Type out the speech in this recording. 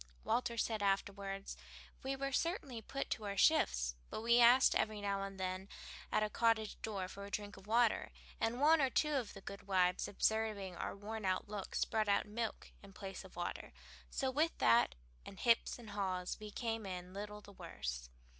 Walter said afterward, "We were certainly put to our shifts, but we asked every now and then at a cottage door for a drink of water; and one or two of the good wives, observing our worn out looks brought out milk in place of water so with that, and hips and haws, we came in little the worse."